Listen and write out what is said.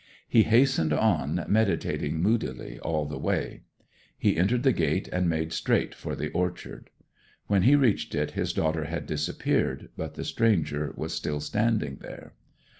He hastened on, meditating moodily all the way. He entered the gate, and made straight for the orchard. When he reached it his daughter had disappeared, but the stranger was still standing there.